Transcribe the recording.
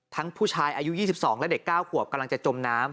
ผู้ชายอายุ๒๒และเด็ก๙ขวบกำลังจะจมน้ำ